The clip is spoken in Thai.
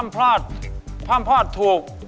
พ่อพพลาดถูก